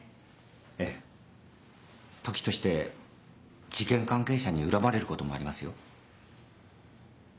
ええ時として事件関係者に恨まれることもありますよ。